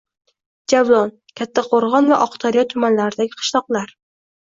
Javlon - Kattaqo‘rg‘on va Oqdaryo tumanlaridagi qishloqlar.